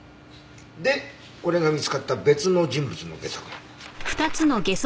でこれが見つかった別の人物のゲソ痕。